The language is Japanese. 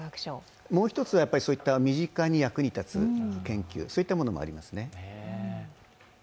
もう一つは、身近に役に立つ研究そういったものもありますね。